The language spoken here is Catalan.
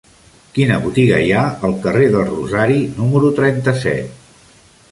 Quina botiga hi ha al carrer del Rosari número trenta-set?